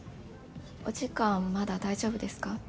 お時間まだ大丈夫ですか？